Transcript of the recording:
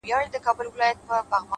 دا خپله وم ـ